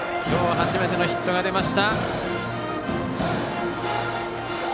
初めてのヒットが出ました。